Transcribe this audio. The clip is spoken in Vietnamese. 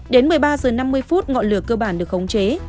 đến một mươi ba h năm mươi ngọn lửa cơ bản được khống chế